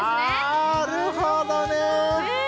なるほどね。